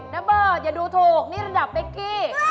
ระเบิดอย่าดูถูกนี่ระดับเป๊กกี้